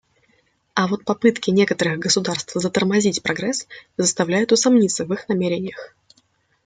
А вот попытки некоторых государств затормозить прогресс заставляют усомниться в их намерениях.